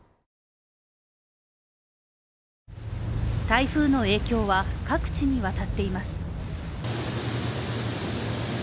台風の影響は、各地にわたっています。